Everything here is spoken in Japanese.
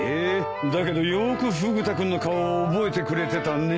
だけどよくフグ田君の顔を覚えてくれてたね。